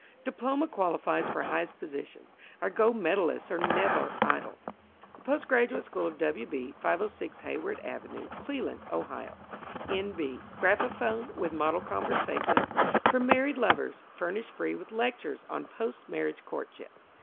Diploma qualifies for highest positions. Our Gold Medalists are never idle. The Post Graduate School of W. B., 506 Hayward Avenue, Cleland, Ohio. N. B. Graphophone, with Model Conversations for Married Lovers, furnished free with lectures on Post Marriage Courtship.